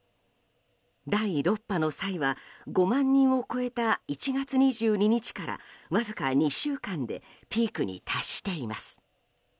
第６波の際は５万人を超えた１月２２日からわずか２週間でピークに達しています。